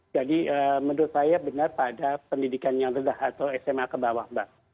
jadi menurut saya benar pada pendidikan yang rendah atau sma ke bawah mbak